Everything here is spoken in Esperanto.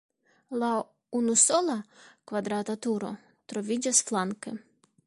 La unusola kvadrata turo troviĝas flanke.